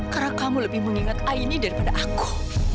karena kamu lebih mengingat aini daripada aku